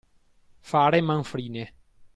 Fare manfrine.